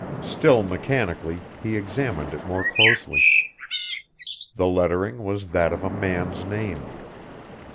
Still mechanically, he examined it more closely. The lettering was that of a man's name.